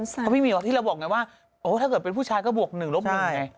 สนสารค่ะที่เราบอกเนี่ยว่าโอ้ถ้าเกิดเป็นผู้ชายก็บวก๑ลบ๑ไง